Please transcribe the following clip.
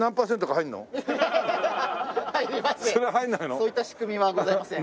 そういった仕組みはございません。